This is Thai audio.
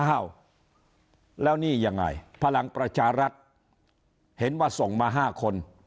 อ้าวแล้วนี่ยังไงพลังประชารัฐเห็นว่าส่งมา๕คน